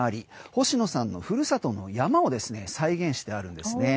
星野さんのふるさとの山を再現してあるんですね。